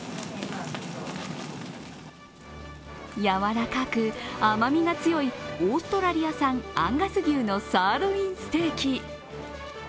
やわらかく甘みが強いオーストラリア産アンガス牛のサーロインステーキ。